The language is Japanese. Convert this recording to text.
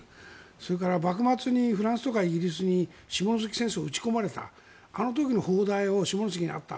それから幕末にイギリスとかに下関戦争を撃ち込まれたあの時の砲台が下関にあった。